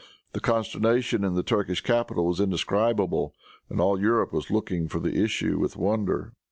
The consternation in the Turkish capital was indescribable, and all Europe was looking for the issue with wonder.